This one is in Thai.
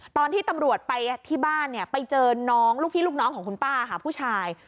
ตอนที่ตำรวจไปที่บ้านเนี่ยไปเจอน้องลูกพี่ลูกน้องของคุณป้าค่ะผู้ชาย